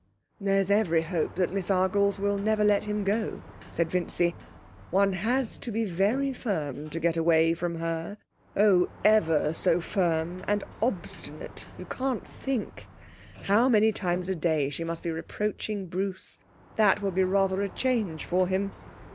'There's every hope that Miss Argles will never let him go,' said Vincy. 'One has to be very firm to get away from her. Oh, ever so firm, and obstinate, you can't think! How many times a day she must be reproaching Bruce that will be rather a change for him.